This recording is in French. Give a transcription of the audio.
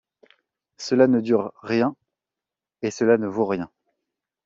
Cela ne dure rien et cela ne vaut rien.